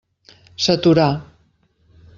S'aturà.